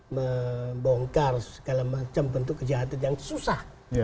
membongkar segala macam bentuk kejahatan yang susah